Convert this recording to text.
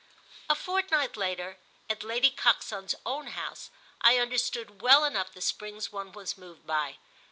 A fortnight later, at Lady Coxon's own house, I understood well enough the springs one was moved by.